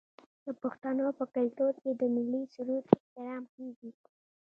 د پښتنو په کلتور کې د ملي سرود احترام کیږي.